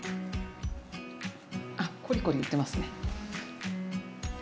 あコリコリいってますね。